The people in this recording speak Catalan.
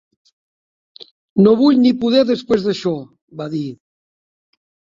"No vull ni poder després d'això", va dir.